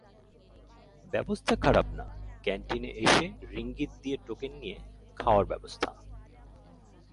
ব্যবস্থা খারাপ না, ক্যানটিনে এসে রিঙ্গিত দিয়ে টোকেন নিয়ে খাওয়ার ব্যবস্থা।